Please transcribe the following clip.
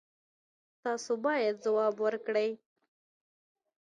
تاسو باید ځواب ورکړئ.